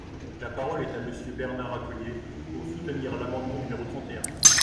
La parole est à Monsieur Bernard Accoyer, pour soutenir l’amendement numéro trente et un.